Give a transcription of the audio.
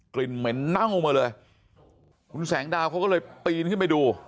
เหม็นเน่ามาเลยคุณแสงดาวเขาก็เลยปีนขึ้นไปดู